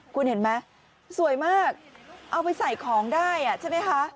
คุณเห็นไหมสวยมากเอาไปใส่ของได้ใช่ไหมคะ